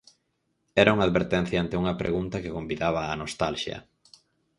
Era unha advertencia ante unha pregunta que convidaba á nostalxia.